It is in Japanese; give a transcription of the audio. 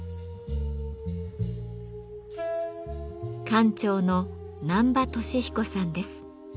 館長の難波敏彦さんです。